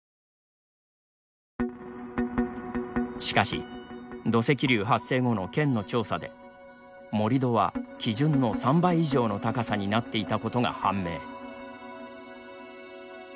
しかし、土石流発生後の県の調査で盛り土は基準の３倍以上の高さになっていたことが判明。